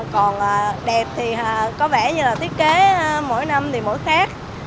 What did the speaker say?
còn đẹp thì có vẻ như là thiết kế mỗi năm thì mỗi khác